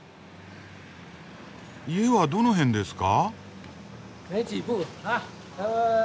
家はどの辺ですか？